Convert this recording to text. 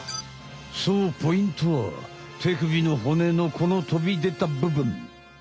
そうポイントはてくびの骨のこのとびでたぶぶん。